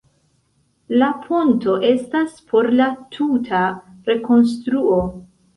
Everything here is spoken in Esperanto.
La ponto estas por la tuta rekonstruo.